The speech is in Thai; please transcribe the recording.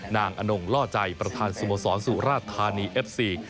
อนงล่อใจประธานสโมสรสุราธานีเอฟซี